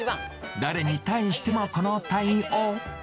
誰に対してもこの対応。